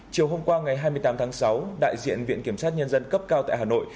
chiều hôm qua ngày hai mươi tám tháng sáu đại diện viện kiểm sát nhân dân cấp cao tại hà nội